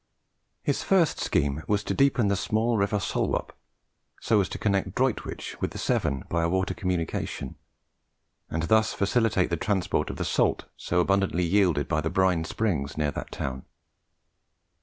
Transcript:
His first scheme was to deepen the small river Salwarp, so as to connect Droitwich with the Severn by a water communication, and thus facilitate the transport of the salt so abundantly yielded by the brine springs near that town.